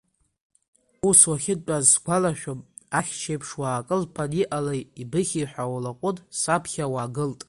Ус, уахьынтәааз сгәалашәом, ахьшь еиԥш уаакылԥан, иҟалеи, ибыхьи ҳәа улаҟәын, саԥхьа уаагылт.